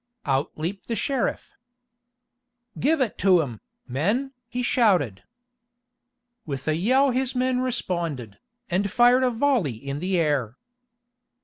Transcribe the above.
Out leaped the sheriff. "Give it to 'em, men!" he shouted. With a yell his men responded, and fired a volley in the air.